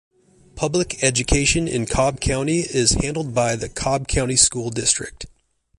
Public education in Cobb County is handled by the Cobb County School District.